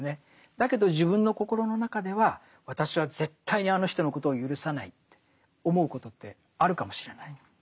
だけど自分の心の中では私は絶対にあの人のことをゆるさないって思うことってあるかもしれない。